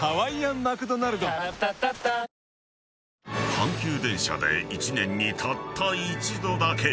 ［阪急電車で一年にたった一度だけ］